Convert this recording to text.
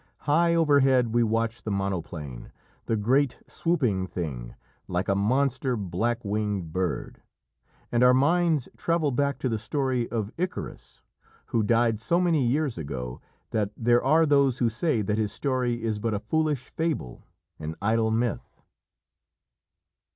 High overhead we watch the monoplane, the great, swooping thing, like a monster black winged bird, and our minds travel back to the story of Icarus, who died so many years ago that there are those who say that his story is but a foolish fable, an idle myth.